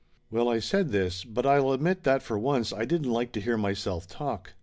Well, I said this, but I'll admit that for once I didn't like to hear myself talk.